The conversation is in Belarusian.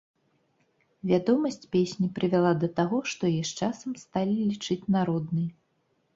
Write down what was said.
Вядомасць песні прывяла да таго, што яе з часам сталі лічыць народнай.